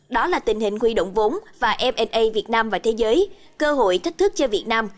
đó là tình hình huy động vốn và mna việt nam và thế giới cơ hội thách thức cho việt nam